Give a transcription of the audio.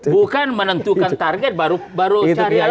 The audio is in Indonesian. bukan menentukan target baru cari alasan